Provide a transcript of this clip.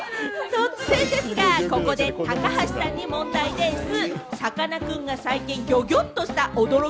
突然ですが、ここで高橋さんに問題でぃす！